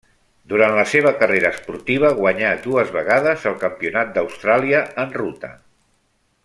Durant la seva carrera esportiva guanyà dues vegades el Campionat d'Austràlia en ruta.